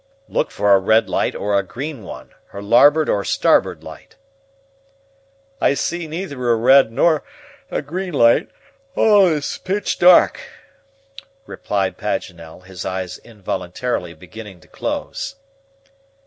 "Look for a red light or a green one her larboard or starboard light." "I see neither a red nor a green light, all is pitch dark," replied Paganel, his eyes involuntarily beginning to close.